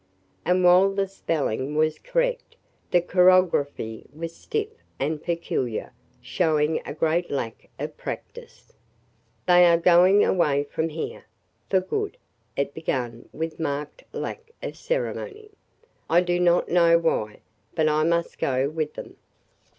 And while the spelling was correct, the chirography was stiff and peculiar, showing a great lack of practice. They are going away from here – for good [it began with marked lack of ceremony], I do not know why, but I must go with them.